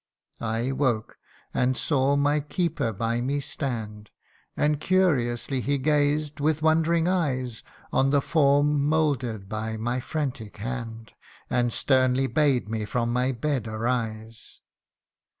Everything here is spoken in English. " I woke and saw my keeper by me stand ; And curiously he gazed, with wondering eyes, On the form moulded by my frantic hand, And sternly bade me from my bed arise.